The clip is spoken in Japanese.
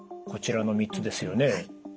こちらの三つですよね。